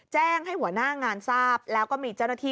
แจ้งให้หัวหน้างานทราบแล้วก็มีเจ้าหน้าที่